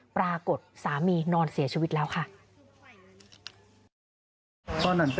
สามีนอนเสียชีวิตแล้วค่ะ